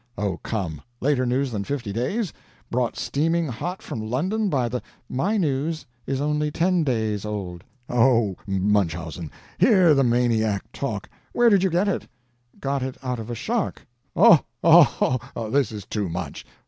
Oh, come later news than fifty days, brought steaming hot from London by the " "My news is only ten days old." "Oh, Mun chausen, hear the maniac talk! Where did you get it?" "Got it out of a shark." "Oh, oh, oh, this is too much!